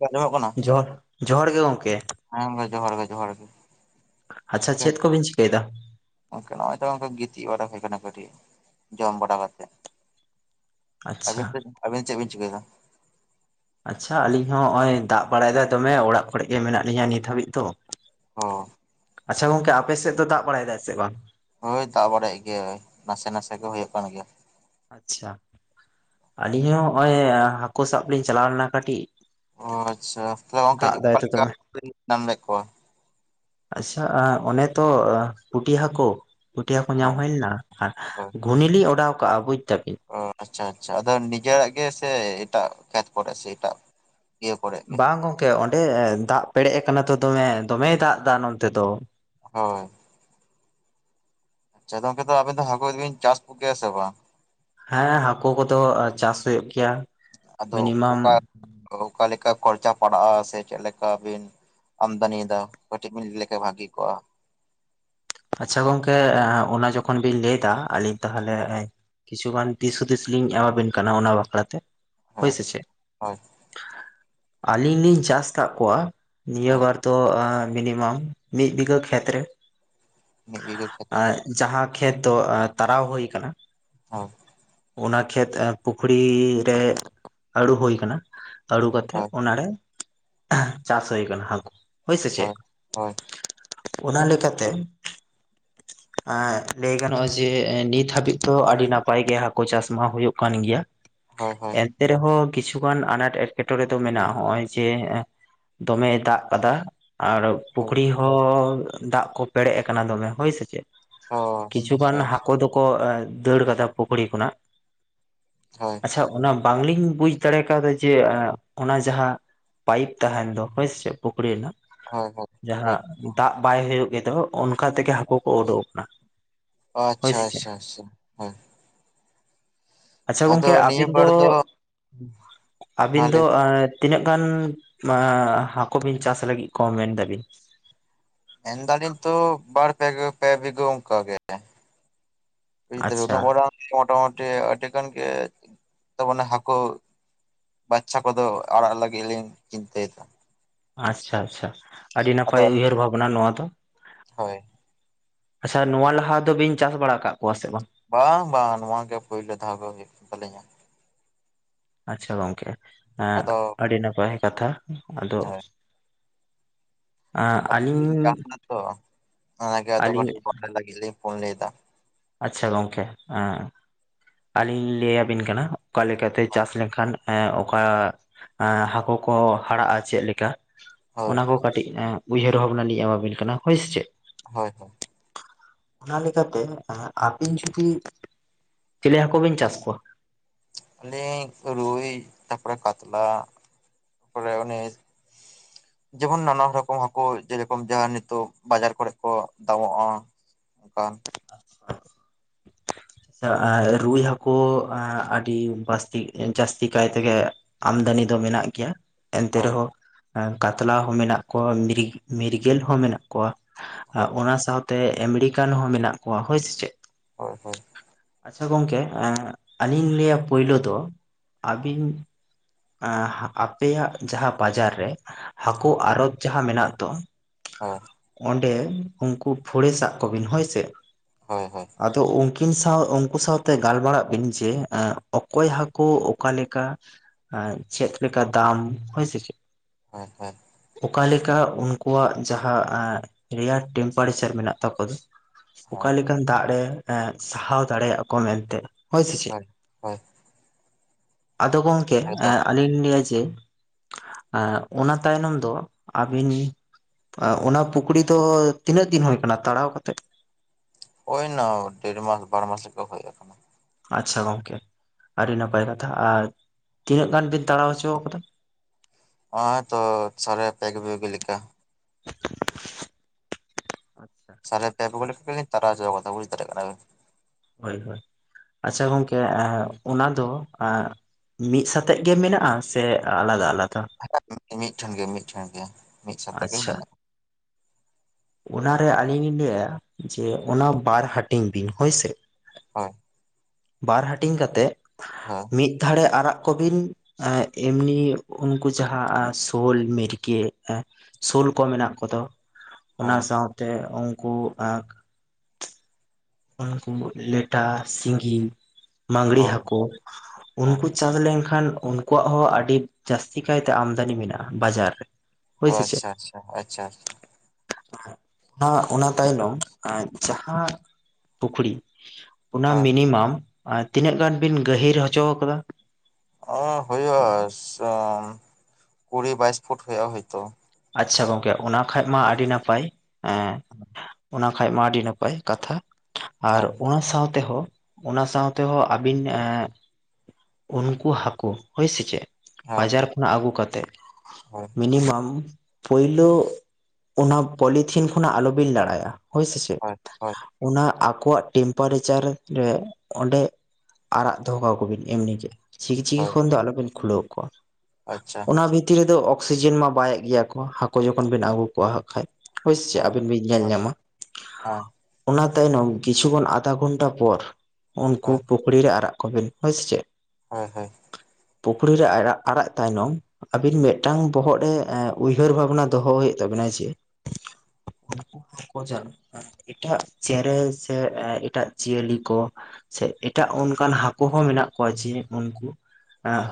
ᱟᱧᱡᱚᱢᱚᱜ ᱠᱟᱱᱟ? ᱛᱚ ᱡᱚᱦᱟᱨ ᱜᱮ ᱜᱚᱝᱠᱮ᱾ ᱦᱮᱸ ᱜᱚᱝᱠᱮ ᱡᱚᱦᱟᱨ ᱜᱮ, ᱡᱚᱦᱟᱨ ᱜᱮ᱾ ᱟᱪᱪᱷᱟ ᱪᱮᱫ ᱠᱚᱵᱤᱱ ᱪᱤᱠᱟᱹᱭ ᱫᱟ? ᱜᱚᱝᱠᱮ ᱱᱚᱜ-ᱚᱭ ᱛᱚ ᱜᱤᱛᱤᱡ ᱵᱟᱲᱟ ᱦᱩᱭ ᱠᱟᱱᱟ ᱠᱟᱹᱴᱤᱡ ᱡᱚᱢ ᱵᱟᱲᱟ ᱠᱟᱛᱮᱜ᱾ ᱟᱹᱵᱤᱱ ᱟᱪᱪᱷᱟ ᱫᱚ ᱟᱹᱵᱤᱱ ᱪᱮᱜ ᱵᱤᱱ ᱪᱤᱠᱟᱹᱭ ᱫᱟ? ᱟᱪᱪᱷᱟ ᱟᱹᱞᱤᱧ ᱦᱚᱸ ᱦᱚᱸᱜ-ᱚᱭ ᱫᱟᱜ ᱵᱟᱲᱟᱭ ᱫᱟᱭ ᱫᱚᱢᱮ ᱚᱲᱟᱜ ᱠᱚᱨᱮ ᱜᱮ ᱢᱮᱱᱟᱜ ᱞᱤᱧᱟ ᱱᱤᱛ ᱦᱟᱹᱵᱤᱡ ᱛᱚ᱾ ᱦᱚ᱾ ᱟᱪᱪᱷᱟ ᱜᱚᱝᱠᱮ ᱟᱯᱮ ᱥᱮᱜ ᱫᱟᱜ ᱵᱟᱲᱟᱭ ᱫᱟᱭ ᱥᱮ ᱵᱟᱝ? ᱦᱳᱭ ᱫᱟᱜ ᱵᱟᱲᱟᱭᱮᱜ ᱜᱮᱭᱟᱭ ᱱᱟᱥᱮ ᱱᱟᱥᱮ ᱜᱮ ᱦᱩᱭᱩᱜ ᱠᱟᱱ ᱜᱮᱭᱟ᱾ ᱟᱪᱪᱷᱟ ᱟᱹᱞᱤᱧ ᱦᱚᱸ ᱱᱚᱜ-ᱚᱭ ᱦᱟᱠᱩ ᱥᱟᱵ ᱞᱤᱧ ᱪᱟᱞᱟᱣ ᱞᱮᱱᱟ ᱠᱟᱹᱴᱤᱡ ᱚᱻ ᱟᱪᱪᱷᱟ ᱛᱚ ᱜᱚᱝᱠᱮ ᱫᱟᱜ ᱡᱮ ᱫᱟᱭ ᱚᱠᱟ ᱛᱚ ᱞᱮᱠᱟ ᱫᱚᱢᱮ ᱠᱩ ᱵᱤᱱ ᱧᱟᱢ ᱞᱮᱜ ᱠᱚᱣᱟ? ᱟᱪᱪᱷᱟ ᱟᱸᱻ ᱚᱱᱮ ᱛᱚ ᱟᱸᱻ ᱯᱩᱴᱷᱤ ᱦᱟᱠᱚ ᱯᱩᱴᱷᱤ ᱦᱟᱠᱚ ᱧᱟᱢ ᱦᱳᱭ ᱦᱚᱭ ᱞᱮᱱᱟ᱾ ᱟᱨ ᱦᱳᱭ ᱜᱩᱱᱤ ᱞᱤᱧ ᱚᱰᱟᱣ ᱠᱟᱜ-ᱟ ᱵᱩᱡᱽ ᱫᱟᱵᱤᱱ᱾ ᱚ ᱟᱪᱪᱷᱟ ᱟᱪᱪᱷᱟ ᱟᱫᱚ ᱱᱤᱡᱮᱨᱟᱜ ᱜᱮ ᱥᱮ ᱮᱴᱟᱜ ᱠᱷᱮᱛ ᱠᱚᱨᱮ ᱥᱮ ᱮᱴᱟᱜ ᱤᱭᱟᱹ ᱠᱚᱨᱮ ᱜᱮ ᱵᱟᱝ ᱜᱚᱝᱠᱮ ᱚᱸᱰᱮ ᱫᱟᱜ ᱯᱮᱲᱮᱡ ᱟᱠᱟᱱᱟ ᱛᱚ ᱫᱚᱢᱮ ᱫᱚᱢᱮᱭ ᱫᱟᱜ ᱫᱟ ᱱᱚᱱᱛᱮ ᱫᱚ᱾ ᱦᱳᱭ᱾ ᱟᱪᱪᱷᱟ ᱜᱚᱝᱠᱮ ᱛᱚ ᱟᱵᱤᱱ ᱦᱟᱠᱩ ᱵᱤᱱ ᱪᱟᱥ ᱠᱚ ᱜᱮᱭᱟ ᱥᱮ ᱵᱟᱝ? ᱦᱮᱸ ᱦᱟᱠᱚ ᱠᱚᱫᱚ ᱪᱟᱥ ᱦᱩᱭᱩᱜ ᱜᱮᱭᱟ᱾ ᱟᱫᱚ ᱢᱤᱱᱤᱢᱟᱢ ᱚᱠᱟ ᱚᱠᱟ ᱞᱮᱠᱟ ᱠᱷᱚᱨᱪᱟ ᱯᱟᱲᱟᱜ-ᱟ ᱥᱮ ᱪᱮᱜ ᱞᱮᱠᱟ ᱵᱤᱱ ᱟᱢᱫᱟᱱᱤᱭ ᱫᱟ ᱠᱟᱹᱴᱤᱡ ᱵᱤᱱ ᱞᱟᱹᱭ ᱞᱮᱠᱷᱟᱱ ᱵᱷᱟᱜᱤ ᱠᱚᱜ-ᱟ᱾ ᱟᱪᱪᱷᱟ ᱜᱚᱝᱠᱮ ᱮᱸᱻ ᱚᱱᱟ ᱡᱚᱠᱷᱚᱱ ᱵᱤᱱ ᱞᱟᱹᱭ ᱫᱟ ᱟᱹᱞᱤᱧ ᱛᱟᱦᱚᱞᱮ ᱮᱡ ᱠᱤᱪᱷᱩ ᱜᱟᱱ ᱫᱤᱥ ᱦᱩᱫᱤᱥ ᱞᱤᱧ ᱮᱢᱟ ᱵᱤᱱ ᱠᱟᱱᱟ ᱚᱱᱟ ᱵᱟᱠᱷᱨᱟ ᱛᱮ ᱦᱳᱭ ᱥᱮ ᱪᱮᱜ᱾ ᱦᱳᱭ ᱟᱞᱤᱧ ᱞᱤᱧ ᱪᱟᱥ ᱠᱟᱜ ᱠᱚᱣᱟ ᱱᱤᱭᱟᱹ ᱦᱳᱭ ᱵᱟᱨ ᱫᱚ ᱚᱣᱻ ᱢᱤᱱᱤᱢᱚᱢ ᱢᱤᱜ ᱵᱤᱜᱷᱟᱹ ᱠᱷᱮᱛ ᱨᱮ᱾ ᱢᱤᱫ ᱵᱤᱜᱷᱟᱹ ᱠᱷᱮᱛ ᱟ ᱨᱮ ᱡᱟᱦᱟᱸ ᱠᱷᱮᱛ ᱫᱚ ᱟᱸ ᱛᱟᱨᱟᱣ ᱦᱚᱭ ᱠᱟᱱᱟ ᱦᱚ᱾ ᱚᱱᱟ ᱠᱷᱮᱛ ᱯᱩᱠᱷᱲᱤ ᱨᱮ ᱟᱹᱲᱩ ᱦᱩᱭ ᱠᱟᱱᱟ᱾ ᱟᱹᱲᱩ ᱠᱟᱛᱮᱜ ᱦᱳᱭ ᱚᱱᱟ ᱲᱮ ᱪᱟᱥ ᱦᱚᱭ ᱠᱟᱱᱟ ᱦᱟᱠᱩ ᱦᱳᱭ ᱥᱮ ᱪᱮᱜ᱾ ᱚᱱᱟ ᱞᱮᱠᱟ ᱛᱮ ᱮᱸᱜ ᱞᱟᱹᱭ ᱜᱟᱱᱚᱜ-ᱟ ᱡᱮ ᱮᱸ ᱱᱤᱛ ᱦᱟᱵᱤᱡ ᱫᱚ ᱟᱰᱤ ᱱᱟᱯᱟᱭ ᱜᱮ ᱦᱟᱠᱳ ᱪᱟᱥ ᱢᱟ ᱦᱚᱭᱚᱜ ᱠᱟᱱ ᱜᱮᱭᱟ᱾ ᱦᱚᱭ ‌ᱦᱚᱭ᱾ ᱛᱮ ᱨᱮᱦᱚᱸ ᱠᱤᱪᱷᱩ ᱜᱟᱱ ᱟᱱᱟᱴ ᱮᱸᱴᱠᱮᱴᱚᱬᱮ ᱫᱚ ᱢᱮᱱᱟᱜ-ᱟ ᱦᱚᱸᱜ-ᱚᱭ ᱡᱮ ᱮᱸ ᱫᱚᱢᱮᱭ ᱫᱟᱜ ᱠᱟᱫᱟ᱾ ᱟᱨ ᱦᱳᱭ ᱦᱳᱭ ᱯᱩᱠᱷᱲᱤ ᱦᱚᱸ ᱫᱟᱜ ᱠᱚ ᱯᱮᱲᱮᱡ ᱟᱠᱟᱱᱟ ᱫᱚᱢᱮ ᱦᱳᱭ ᱥᱮ ᱪᱮᱜ᱾ ᱠᱤᱪᱷᱩ ᱜᱟᱱ ᱟᱪᱪᱷᱟ ᱟᱪᱪᱷᱟ ᱦᱟᱠᱚ ᱫᱚᱠᱚ ᱮᱸ ᱫᱟᱹᱲ ᱠᱟᱫᱟ ᱯᱩᱠᱷᱲᱤ ᱠᱷᱚᱱᱟᱜ᱾ ᱦᱳᱭ᱾ ᱟᱪᱪᱷᱟ ᱚᱱᱟ ᱵᱟᱝ ᱞᱤᱧ ᱵᱩᱡᱽ ᱫᱟᱲᱮᱣ ᱠᱟᱣᱫᱟ ᱡᱮ ᱚᱱᱟ ᱡᱟᱦᱟᱸ ᱯᱟᱭᱤᱯ ᱛᱟᱦᱮᱱ ᱫᱚ ᱦᱚᱭ ᱥᱮ ᱪᱮᱜ ᱯᱩᱠᱷᱲᱤ ᱨᱮᱱᱟᱜ ᱦᱳᱭ ᱦᱳᱭ ᱦᱳᱭ ᱡᱟᱦᱟᱸ ᱫᱟᱜ ᱵᱟᱭ ᱦᱩᱭᱩᱜ ᱜᱮᱫᱚ ᱚᱱᱠᱟ ᱛᱮᱜᱮ ᱦᱟᱠᱚ ᱠᱚ ᱚᱰᱚᱜ ᱟᱠᱟᱱᱟ᱾ ᱦᱳᱭ ᱟᱪᱪᱷᱟ ᱥᱮ ᱪᱮᱫ ᱟᱪᱪᱷᱟ ᱟᱪᱪᱷᱟ ᱦᱚᱭ᱾ ᱟᱪᱪᱷᱟ ᱜᱚᱝᱠᱮ ᱱᱤᱭᱟᱹ ᱟᱵᱤᱱ ᱵᱟᱨ ᱫᱚ ᱢᱟ ᱟᱵᱤᱱ ᱫᱚ ᱞᱟᱹᱭ ᱮᱸᱻ ᱛᱤᱱᱟᱹᱜ ᱜᱟᱱ ᱢᱟ‌ ᱦᱟᱠᱚ ᱵᱤᱱ ᱪᱟᱥ ᱞᱟᱹᱜᱤᱜ ᱠᱚ ᱢᱮᱱ ᱫᱟᱵᱤᱱ? ᱢᱮᱱ ᱫᱟᱲᱤᱧ ᱛᱚ ᱵᱟᱨ ᱯᱮ ᱜᱷᱟᱹ ᱯᱮ ᱵᱤᱜᱷᱟᱹ ᱚᱱᱠᱟ ᱜᱮ᱾ ᱵᱩᱡᱽ ᱫᱟᱵᱤᱱ ᱟᱪᱪᱷᱟ ᱩᱱᱟᱹᱜ ᱢᱟᱨᱟᱝ ᱢᱚᱴᱟᱼᱢᱩᱴᱤ ᱮ ᱟᱹᱰᱤ ᱜᱟᱱ ᱜᱮ [inaudible] ᱛᱚ ᱢᱚᱱᱮ ᱦᱟᱠᱩ ᱵᱟᱪᱪᱟ ᱠᱚᱫᱚ ᱟᱲᱟᱜ ᱞᱟᱹᱜᱤᱫ ᱞᱤᱧ ᱪᱤᱱᱛᱟᱹᱭ ᱫᱟ᱾ ᱟᱪᱪᱷᱟ ᱟᱪᱪᱷᱟ ᱟᱰᱤ ᱟᱫᱚ ᱱᱟᱯᱟᱭ ᱩᱭᱦᱟᱹᱨ ᱵᱷᱟᱵᱽᱱᱟ ᱱᱚᱣᱟ ᱫᱚ᱾ ᱦᱳᱭ ᱟᱪᱪᱷᱟ ᱱᱚᱣᱟ ᱞᱟᱦᱟ ᱫᱚᱵᱤᱱ ᱪᱟᱥ ᱵᱟᱲᱟᱣ ᱠᱟᱜ ᱠᱚᱣᱟ ᱥᱮ ᱵᱟᱝ? ᱵᱟᱝ ᱵᱟᱝ ᱱᱚᱣᱟ ᱜᱮ ᱯᱳᱭᱞᱳ ᱫᱷᱟᱣ ᱜᱮ ᱦᱩᱭᱩᱜ ᱠᱟᱱ ᱛᱟᱹᱞᱤᱧᱟ ᱾ ᱟᱪᱪᱷᱟ ᱜᱚᱝᱠᱮ ᱮᱸ ᱟᱫᱚ ᱟᱹᱰᱤ ᱱᱟᱯᱟᱭ ᱠᱟᱛᱷᱟ ᱟᱫᱚ ᱦᱳᱭ ᱟᱜᱩ ᱠᱤᱱ ᱪᱟᱣ ᱟᱹᱞᱤᱧ ᱠᱟᱱᱟ ᱛᱚ ᱚᱱᱟᱜᱮ ᱟᱫᱚ ᱟᱹᱞᱤᱧ ᱠᱟᱹᱴᱤᱡ ᱯᱷᱳᱱ ᱞᱟᱹᱜᱤᱫ ᱞᱤᱧ, ᱯᱷᱳᱱ ᱞᱮᱫᱟ ᱟᱪᱪᱷᱟ ᱜᱚᱢᱠᱮ ᱟᱹᱞᱤᱧ ᱞᱟᱹᱭ ᱟᱵᱤᱱ ᱠᱟᱱᱟ ᱚᱠᱟᱞᱮ ᱞᱮᱠᱟᱛᱮ ᱪᱟᱥ ᱞᱮᱱᱠᱷᱟᱱ ᱦᱮᱸ ᱚᱠᱟ ᱦᱟᱹᱠᱩ ᱠᱚ ᱦᱟᱨᱟᱜᱼᱟ ᱪᱮᱫ ᱞᱮᱠᱟ? ᱦᱳᱭ ᱚᱱᱟ ᱠᱚ ᱠᱟᱹᱴᱤᱡ ᱩᱭᱦᱟᱹᱨ ᱵᱷᱟᱵᱽᱱᱟ ᱞᱤᱧ ᱮᱢᱟᱵᱤᱱ ᱠᱟᱱᱟ ᱦᱳᱭ ᱥᱮ ᱪᱮᱫ᱾ ᱦᱳᱭ ᱚᱱᱟ ᱞᱮᱠᱟᱛᱮ ᱟᱹᱵᱤᱱ ᱡᱩᱫᱤ ᱪᱤᱞᱤ ᱦᱟᱹᱠᱩ ᱵᱤᱱ ᱪᱟᱥ ᱠᱚᱣᱟ? ᱟᱞᱤᱧ ᱨᱩᱭ ᱛᱟᱨᱯᱚᱨᱮ ᱠᱟᱛᱞᱟ ᱛᱟᱯᱚᱨᱮ ᱚᱱᱮ ᱡᱮᱢᱚᱱ ᱱᱟᱱᱟ ᱨᱚᱠᱚᱢ ᱦᱟᱹᱠᱩ ᱡᱮᱨᱚᱠᱚᱢ ᱡᱮ ᱱᱤᱛᱚᱜ ᱵᱟᱡᱟᱨ ᱠᱚᱨᱮ ᱠᱚ ᱫᱟᱢᱚᱜᱼᱟ ᱚᱠᱟ [unintelligible] ᱨᱩᱭ ᱦᱟᱹᱠᱩ ᱟᱹᱰᱤ ᱵᱟᱹᱥᱛᱤ ᱡᱟᱹᱥᱛᱤ ᱠᱟᱭ ᱛᱮᱜᱮ ᱟᱢᱫᱟᱱᱤ ᱫᱚ ᱢᱮᱱᱟᱜ ᱜᱮᱭᱟ ᱾ ᱮᱱᱛᱮ ᱦᱳᱭ ᱨᱮᱦᱚᱸ ᱠᱟᱛᱞᱟ ᱦᱚᱸ ᱢᱮᱱᱟᱜ ᱠᱚᱣᱟ ᱢᱤᱨ ᱢᱤᱨᱜᱮᱞ ᱦᱚᱸ ᱢᱮᱱᱟᱜ ᱠᱚᱣᱟ ᱦᱳᱭ ᱾ ᱚᱱᱟ ᱥᱟᱶᱛᱮ ᱟᱢᱮᱨᱤᱠᱟᱱ ᱦᱚᱸ ᱢᱮᱱᱟᱜ ᱠᱚᱣᱟ ᱾ ᱦᱳᱭ ᱥᱮ? ᱦᱳᱭ ᱦᱳᱭ ᱟᱪᱪᱷᱟ ᱜᱚᱝᱠᱮ ᱟᱹᱞᱤᱧ ᱞᱟᱹᱭᱟ ᱯᱳᱭᱞᱳ ᱫᱚ ᱟᱹᱵᱤᱱ ᱮᱸ ᱟᱯᱮᱭᱟᱜ ᱡᱟᱦᱟᱸ ᱵᱟᱡᱟᱨ ᱨᱮ ᱦᱟᱹᱠᱩ ᱟᱨᱚᱰ ᱡᱟᱦᱟᱸ ᱢᱮᱱᱟᱜ ᱫᱚ ᱦᱚᱸ ᱚᱸᱰᱮ ᱩᱱᱠᱩ ᱯᱷᱚᱲᱮ ᱥᱟᱟᱜ ᱠᱚᱵᱤᱱ ᱦᱳᱭᱥᱮ ᱦᱳᱭ ᱦᱳᱭ ᱟᱫᱚ ᱩᱱᱠᱤᱱ ᱥᱟᱶ ᱩᱱᱠᱩ ᱥᱟᱶᱛᱮ ᱜᱟᱞᱢᱟᱨᱟᱜ ᱵᱤᱱ, ᱡᱮ ᱚᱠᱚᱭ ᱦᱟᱹᱠᱩ ᱚᱠᱟ ᱞᱮᱠᱟ? ᱟᱨ ᱪᱮᱫ ᱞᱮᱠᱟ ᱫᱟᱢ ᱦᱩᱭᱭ ᱥᱮ ᱪᱮᱫ? ᱦᱚᱸ ᱦᱚᱸ ᱚᱠᱟ ᱞᱮᱠᱟ ᱩᱱᱠᱩᱣᱟᱜ ᱡᱟᱦᱟᱸ ᱨᱮᱭᱟᱲ ᱴᱮᱢᱯᱟᱨᱮᱪᱟᱨ ᱢᱮᱱᱟᱜ ᱛᱟᱠᱚ ᱫᱚ ᱦᱳᱭ ᱚᱠᱟᱞᱮᱠᱟᱱ ᱫᱟᱜᱨᱮ ᱥᱟᱦᱟᱣ ᱫᱟᱲᱮᱭᱟᱜ ᱠᱚ ᱢᱮᱱᱛᱮ? ᱦᱳᱭ ᱥᱮᱪᱮᱫ? ᱟᱫᱚ ᱜᱚᱢᱠᱮ ᱮᱠᱫᱚᱢ ᱟᱹᱞᱤᱧ ᱞᱤᱧ ᱞᱮᱭᱟ ᱡᱮ ᱟᱨ ᱚᱱᱟ ᱛᱟᱭᱱᱚᱢ ᱫᱚ ᱟᱹᱵᱤᱱ ᱚᱱᱟ ᱯᱩᱠᱷᱨᱤ ᱫᱚ ᱛᱤᱱᱟᱹᱜ ᱫᱤᱱ ᱦᱳᱭ ᱟᱠᱟᱱᱟ ᱛᱟᱲᱟᱣ ᱠᱟᱛᱮᱜ? ᱦᱳᱭ ᱮᱱᱟ ᱰᱮᱲᱢᱟᱥ ᱵᱟᱨ ᱢᱟᱥ ᱞᱮᱠᱟ ᱦᱳᱭ ᱟᱠᱟᱱᱟ ᱾ ᱟᱪᱪᱷᱟ ᱜᱚᱢᱠᱮ ᱟᱹᱰᱤ ᱱᱟᱯᱟᱭ ᱠᱟᱛᱷᱟ ᱟᱨ ᱛᱤᱱᱟᱹᱜ ᱜᱟᱱ ᱵᱤᱱ ᱛᱟᱲᱟ ᱦᱚᱪᱚᱣᱟ ᱟᱠᱟᱫᱟ? ᱦᱚ ᱛᱚ ᱥᱟᱨ ᱯᱮ ᱵᱤᱜᱟᱹ ᱞᱮᱠᱟ ᱾ ᱥᱟᱨᱮ ᱯᱮ ᱵᱤᱜᱟᱹ ᱞᱮᱠᱟ ᱞᱤᱧ ᱛᱟᱨᱟ ᱦᱚᱪᱚ ᱟᱠᱟᱫᱟ, ᱵᱩᱡ ᱫᱟᱲᱮᱭᱟᱜ ᱠᱟᱱᱟ ᱵᱤᱱ? ᱦᱳᱭ ᱦᱳᱭ ᱟᱪᱪᱷᱟ ᱜᱚᱢᱠᱮ ᱚᱱᱟ ᱫᱚ ᱢᱤᱫ ᱥᱟᱛᱮᱜ ᱜᱮ ᱢᱮᱱᱟᱜᱼᱟ ᱥᱮ ᱟᱞᱟᱫᱟ ᱟᱞᱟᱫᱟ? ᱮ ᱢᱤᱫ ᱴᱷᱮᱱ ᱜᱮ ᱢᱤᱫ ᱴᱷᱮᱱ ᱜᱮ ᱾ ᱟᱪᱪᱷᱟ ᱚᱱᱟᱨᱮ ᱟᱹᱞᱤᱧ ᱞᱤᱧ ᱞᱟᱹᱭᱟ ᱡᱮ ᱚᱱᱟ ᱵᱟᱨ ᱦᱟᱹᱴᱤᱧ ᱵᱤᱱ, ᱦᱳᱭᱥᱮ ᱦᱳᱭ ᱵᱟᱨ ᱦᱟᱹᱴᱤᱧ ᱠᱟᱛᱮᱜ ᱦᱚᱸ ᱢᱤᱫ ᱫᱷᱟᱨᱮ ᱟᱨᱟᱜ ᱠᱚᱵᱤᱱ ᱮᱢᱱᱤ ᱩᱱᱠᱩ ᱡᱟᱦᱟᱸ ᱥᱳᱞ ᱢᱮᱤᱨᱜᱤᱼᱼ ᱥᱩᱞ ᱠᱚ ᱢᱮᱱᱟᱜ ᱠᱚᱫᱚ ᱚᱱᱟ ᱦᱳᱭ ᱥᱟᱶᱛᱮ ᱩᱱᱠᱩ ᱩᱱᱠᱩ ᱞᱮᱴᱟ ᱥᱤᱸᱜᱤ ᱢᱜᱽᱨᱤ ᱦᱳᱭ ᱦᱟᱹᱠᱩ ᱦᱳᱭ ᱩᱱᱠᱩ ᱪᱟᱥ ᱞᱮᱱᱠᱷᱟᱱ ᱟᱠᱚᱣᱟᱜ ᱦᱚᱸ ᱟᱹᱰᱤ ᱡᱟᱹᱟᱥᱛᱤ ᱠᱟᱭᱛᱮ ᱟᱢᱫᱟᱱᱤ ᱢᱮᱱᱟᱜᱼᱟ ᱵᱟᱡᱟᱨ ᱨᱮ ᱾ ᱚ ᱟᱪᱪᱷᱟ ᱟᱪᱪᱷᱟ ᱟᱪᱪᱷᱟ ᱟᱪᱪᱷᱟ ᱚᱱᱟ ᱚᱱᱟ ᱛᱟᱭᱱᱚᱢ ᱡᱟᱦᱟᱸ ᱯᱩᱠᱷᱨᱤ ᱚᱱᱟ ᱦᱳᱭ ᱢᱤᱱᱤᱢᱟᱢ ᱛᱤᱱᱟᱹᱜ ᱜᱟᱱ ᱵᱤᱱ ᱜᱟᱹᱦᱤᱨ ᱦᱚᱪᱚ ᱟᱠᱟᱫᱟ ᱚ ᱦᱩᱭᱩᱜᱼᱟ ᱠᱩᱲᱤ ᱵᱟᱭᱤᱥ ᱯᱷᱩᱴ ᱦᱩᱭᱩᱜᱼᱟ ᱦᱭᱛᱚ ᱟᱪᱪᱷᱟ ᱜᱚᱝᱠᱮ ᱚᱱᱟ ᱠᱷᱟᱡ ᱢᱟ ᱟᱹᱰᱤ ᱱᱟᱯᱟᱭ ᱮᱸ ᱚᱱᱟ ᱠᱷᱟᱡ ᱢᱟ ᱟᱹᱰᱤ ᱱᱟᱯᱟᱭ ᱠᱟᱛᱷᱟ ᱟᱨ ᱦᱳᱭ ᱚᱱᱟ ᱥᱟᱶ ᱛᱮᱦᱚᱸ ᱚᱱᱟ ᱥᱟᱶᱛᱮᱦᱚᱸ ᱟᱹᱵᱤᱱ ᱩᱱᱠᱩ ᱦᱟᱹᱠᱩ ᱦᱳᱭ ᱥᱮ ᱪᱮᱫ ᱦᱳᱭ ᱵᱟᱡᱟᱨ ᱠᱷᱚᱱᱟᱜ ᱟᱹᱜᱩ ᱠᱟᱛᱮᱫ ᱦᱳᱭ ᱢᱤᱱᱤᱢᱟᱢ ᱯᱳᱭᱞᱳ ᱚᱱᱟ ᱯᱚᱞᱤᱛᱷᱤᱱ ᱠᱷᱚᱱᱟᱜ ᱟᱞᱚᱵᱤᱱ ᱞᱟᱲᱟᱭᱟ ᱦᱳᱭ ᱥᱮ ᱪᱮᱫ ᱦᱳᱭ ᱦᱳᱭ ᱚᱱᱟ ᱟᱠᱚᱣᱟᱜ ᱴᱮᱢᱯᱟᱨᱮᱪᱟᱨ ᱨᱮ ᱚᱸᱰᱮ ᱟᱨᱟᱜ ᱫᱚᱦᱚ ᱠᱟᱠᱚᱵᱤᱱ ᱮᱢᱱᱤᱜᱮ ᱪᱤᱠᱤᱪᱤᱠᱤ ᱦᱳᱭ ᱠᱷᱚᱱ ᱫᱚ ᱟᱞᱚᱵᱤᱱ ᱠᱷᱩᱞᱟᱹᱣ ᱠᱚᱣᱟ ᱟᱪᱪᱷᱟ ᱚᱱᱟ ᱵᱷᱤᱛᱤᱨ ᱨᱮᱫᱚ ᱚᱠᱥᱤᱡᱮᱱ ᱢᱟ ᱵᱟᱭ ᱤᱭᱟᱹ ᱠᱚᱣᱟ ᱦᱟᱹᱠᱩ ᱡᱚᱠᱷᱚᱱ ᱵᱤᱱ ᱟᱹᱜᱩ ᱠᱚᱣᱟ ᱦᱟᱜ ᱠᱷᱟᱡ ᱦᱳᱭᱥᱮᱪᱮᱜ ᱦᱳᱭ ᱟᱹᱵᱤᱱ ᱵᱤᱱ ᱧᱮᱞ ᱦᱳᱭ ᱧᱟᱢᱟ ᱦᱳᱭ ᱚᱱᱟ ᱛᱟᱭᱱᱚᱢ ᱠᱤᱪᱷᱩ ᱠᱷᱚᱱ ᱟᱫᱷᱟ ᱜᱷᱚᱱᱴᱟ ᱯᱚᱨ ᱩᱱᱠᱩ ᱦᱳᱭ ᱯᱩᱠᱷᱨᱤ ᱨᱮ ᱚᱲᱟᱜ ᱠᱚᱵᱮᱱ ᱦᱳᱭ ᱥᱮ ᱪᱮᱫ ᱦᱮᱸᱦᱮᱸ ᱯᱩᱠᱷᱨᱤ ᱨᱮ ᱟᱲᱟᱜ ᱛᱟᱭᱱᱚᱢ ᱟᱵᱤᱱ ᱢᱤᱫᱴᱟᱝ ᱵᱚᱦᱚᱜ ᱨᱮ ᱩᱭᱦᱟᱹᱨ ᱵᱷᱟᱵᱱᱟ ᱫᱚᱦᱚ ᱦᱩᱭᱩᱜ ᱛᱟᱵᱚᱱᱟ ᱡᱮ ᱩᱱᱠᱩ ᱦᱟᱠᱳ ᱡᱟ ᱼᱼ ᱮᱴᱟᱜ ᱪᱮᱬᱮ ᱥᱮ ᱮᱴᱟᱜ ᱡᱤᱭᱟᱹᱞᱤ ᱠᱚ ᱥᱮ ᱮᱴᱟᱜ ᱚᱱᱠᱟᱱ ᱦᱟᱹᱠᱳ ᱦᱚᱸ ᱢᱮᱱᱟᱜ ᱠᱚᱣᱟ ᱡᱮ ᱩᱱᱠᱩ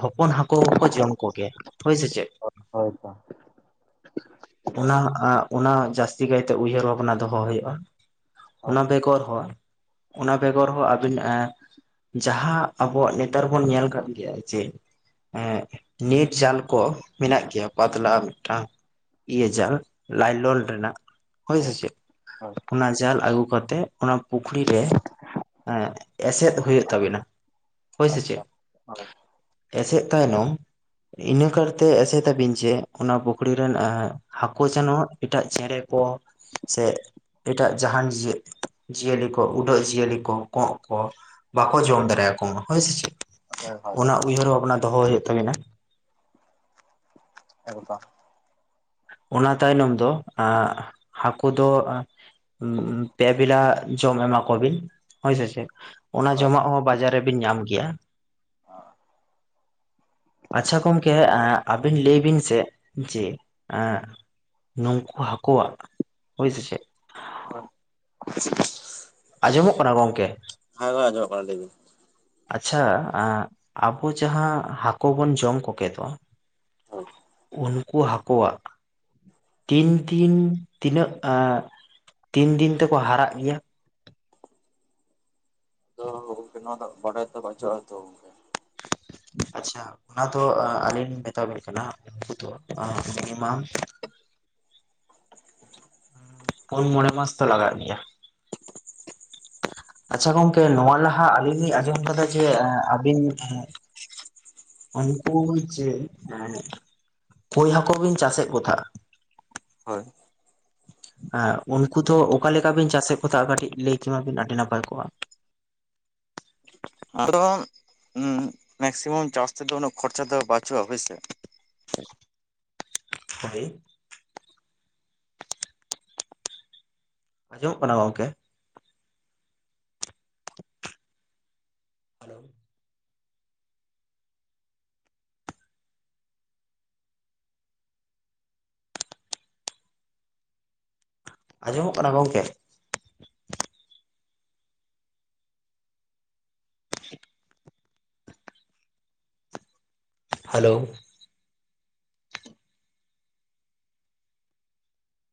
ᱦᱚᱯᱚᱱ ᱦᱟᱠ ᱼᱼ ᱠᱳᱦᱚ ᱠᱚ ᱡᱚᱢ ᱠᱚᱜᱮᱭᱟ ᱦᱳᱭ ᱥᱮ ᱪᱮᱫ ᱚᱫ ᱦᱳᱭ ᱛᱟ ᱚᱱᱟ ᱟ ᱚᱱᱟ ᱡᱟᱹᱥᱛᱤ ᱠᱟᱭᱛᱮ ᱩᱭᱦᱟᱹᱨ ᱵᱷᱟᱵᱽᱱᱟ ᱫᱚᱦᱚ ᱦᱩᱭᱩᱜᱼᱟ ᱦᱳᱭ ᱚᱱᱟ ᱵᱮᱜᱚᱨ ᱦᱚᱸ ᱚᱱᱟ ᱵᱮᱜᱚᱨ ᱦᱚᱸ ᱟᱹᱵᱤᱱ ᱮ ᱡᱟᱦᱟᱸ ᱟᱵᱚᱣᱟᱜ ᱱᱮᱛᱟᱨ ᱵᱚᱱ ᱧᱮᱞ ᱠᱟᱫ ᱜᱮᱭᱟ ᱡᱮ ᱮᱸᱜ ᱱᱮᱴ ᱡᱟᱞ ᱠᱚ ᱢᱮᱱᱟᱜ ᱜᱮᱭᱟ ᱯᱟᱛᱞᱟ ᱢᱤᱫᱴᱟᱝ ᱤᱭᱟᱹ ᱡᱟᱞ ᱞᱟᱭᱞᱚᱱ ᱨᱮᱱᱟᱜ ᱦᱳᱭ ᱥᱮ ᱪᱮᱫ ᱦᱳᱭ ᱚᱱᱟ ᱡᱟᱞ ᱟᱹᱜᱩ ᱠᱟᱛᱮᱫ ᱚᱱᱟ ᱯᱩᱠᱷᱨᱤ ᱨᱮ ᱮᱥᱮᱫ ᱦᱩᱭᱩᱜ ᱛᱟᱵᱤᱱᱟ ᱦᱳᱭ ᱥᱮ ᱟᱪᱪᱷᱟ ᱪᱮᱫ ᱢᱟᱞᱮ ᱮᱥᱮᱫ ᱛᱟᱭᱱᱚᱢ ᱤᱱᱟᱹ ᱠᱟᱨᱛᱮ ᱮᱥᱮᱫ ᱟᱹᱵᱤᱱ ᱡᱮ ᱚᱱᱟ ᱯᱩᱠᱷᱨᱤ ᱨᱮᱱ ᱦᱟᱹᱠᱳ ᱡᱮᱱᱚ ᱮᱴᱟᱜ ᱪᱮᱬᱮ ᱠᱚ ᱥᱮ ᱮᱴᱟᱜ ᱡᱟᱦᱟᱱ ᱡᱮᱜ ᱡᱤᱭᱟᱹᱞᱤ ᱠᱚ ᱩᱰᱟᱹᱜ ᱡᱤᱭᱟᱹᱞᱤ ᱠᱚ ᱠᱚᱸᱜ ᱠᱚ ᱵᱟᱠᱚ ᱡᱚᱢ ᱫᱟᱲᱮᱭᱟᱠᱚ ᱢᱟ ᱦᱳᱭ ᱥᱮᱪᱮᱫ ᱦᱳᱭ ᱦᱳᱭ ᱚᱱᱟ ᱩᱭᱦᱟᱹᱨ ᱵᱷᱟᱱᱟ ᱫᱚᱦᱚ ᱦᱩᱭᱩᱜ ᱛᱟᱵᱤᱱᱟ ᱮᱠᱫᱚᱢ ᱚᱱᱟ ᱛᱟᱭᱱᱚᱢ ᱫᱚ ᱦᱟᱹᱠᱳ ᱫᱚ ᱩᱸ ᱩᱸ ᱯᱮ ᱵᱮᱞᱟ ᱡᱚᱢ ᱮᱢᱟ ᱠᱚ ᱵᱤᱱ ᱦᱳᱭ ᱥᱮ ᱪᱮᱫ ᱚᱱᱟ ᱦᱳᱭ ᱡᱚᱢᱟᱜ ᱦᱚᱸ ᱵᱟᱡᱟᱨ ᱨᱮᱵᱤᱱ ᱧᱟᱢ ᱜᱮᱭᱟ ᱟᱪᱪᱷᱟ ᱜᱚᱢᱠᱮ ᱟᱵᱤᱱ ᱞᱟᱹᱭ ᱵᱤᱱ ᱥᱮ ᱡᱮ ᱮᱸ ᱱᱩᱸᱠᱩ ᱦᱟᱹᱠᱳᱣᱟᱜ ᱦᱳᱭ ᱥᱮ ᱪᱮᱫ [unintelligible] ᱟᱸᱡᱚᱢᱚᱜ ᱠᱟᱱᱟ ᱜᱚᱝᱠᱮ ᱦᱚᱭ ᱦᱮᱸ ᱢᱟ ᱟᱡᱚᱢᱚᱜ ᱠᱟᱱᱟ ᱞᱟ. ᱭ ᱵᱮᱱ ᱟᱪᱪᱷᱟ ᱟᱵᱚ ᱡᱟᱦᱟᱸ ᱦᱟᱠᱳ ᱵᱚᱱ ᱡᱚᱢ ᱠᱚᱜᱮ ᱫᱚ ᱦᱳᱭ ᱩᱱᱠᱩ ᱦᱟᱹᱠᱳᱣᱟᱜ ᱛᱤᱱ ᱛᱤᱱ ᱛᱤᱱᱟᱹᱜ ᱛᱤᱱ ᱫᱤᱱ ᱛᱮᱠᱚ ᱦᱟᱨᱟᱜ ᱜᱮᱭᱟ ᱛᱚ ᱜᱚᱝᱠᱮ ᱱᱚᱣᱟ ᱫᱚ ᱵᱟᱰᱟᱭ ᱛᱮ ᱵᱟᱹᱪᱩᱜᱼᱟ ᱛᱚ ᱜᱚᱝᱠᱮ ᱟᱪᱪᱷᱟ ᱚᱱᱟ ᱫᱚ ᱟᱹᱞᱤᱧ ᱞᱤᱧ ᱢᱮᱛᱟ ᱵᱤᱱ ᱠᱟᱱᱟ ᱩᱱᱠᱩ ᱫᱚ ᱢᱤᱱᱤᱢᱟᱢ ᱩᱸ ᱯᱩᱱ ᱢᱚᱬᱮ ᱢᱟᱥ ᱛᱚ ᱞᱟᱜᱟᱜ ᱜᱮᱭᱟ ᱟᱪᱪᱷᱟ ᱜᱚᱝᱠᱮ ᱱᱚᱣᱟ ᱞᱟᱦᱟ ᱟᱞᱤᱧ ᱞᱤᱧ ᱟᱸᱡᱚᱢ ᱠᱟᱫᱟ ᱡᱮ ᱟᱵᱤᱱ ᱩᱱᱠᱩ ᱡᱮ ᱠᱳᱭ ᱦᱟᱹᱠᱩ ᱵᱤᱱ ᱪᱟᱥᱮᱫ ᱠᱚ ᱛᱟᱦᱮᱸ ᱦᱳᱭ ᱩᱱᱠᱩ ᱫᱚ ᱚᱠᱟᱞᱮᱠᱟ ᱵᱤᱱ ᱪᱟᱥᱮᱫ ᱠᱚ ᱛᱟᱦᱮᱸᱜ ᱠᱟᱹᱴᱤᱡ ᱞᱟᱹᱭ ᱠᱮᱢᱟᱵᱤᱱ ᱟᱹᱰᱤ ᱱᱟᱯᱟᱭ ᱠᱚᱜᱼᱟ ᱟᱫᱚ ᱢᱮᱠᱥᱤᱢᱟᱢ ᱪᱟᱥ ᱛᱮᱫᱚ ᱩᱱᱟᱹᱜ ᱠᱷᱚᱨᱪᱟ ᱫᱚ ᱵᱟᱪᱩᱜᱼᱟ ᱦᱳᱭ ᱥᱮ ᱦᱳᱭ ᱟᱸᱡᱚᱢᱚᱜ ᱠᱟᱱᱟ ᱜᱚᱢᱠᱮ? ᱦᱮᱞᱳ ᱟᱸᱡᱚᱢᱚᱜ ᱠᱟᱱᱟ ᱜᱚᱝᱠᱮ? ᱦᱮᱞᱳ